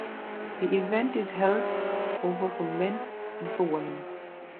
The event is held over for men and for women.